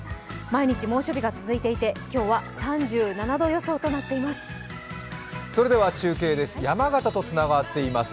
毎日、猛暑日が続いていて今日は３７度予想になっています。